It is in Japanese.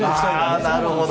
なるほど。